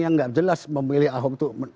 yang gak jelas memilih ahok untuk